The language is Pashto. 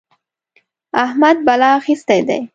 احمد بلا اخيستی دی.